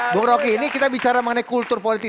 bung roky ini kita bicara mengenai kultur politik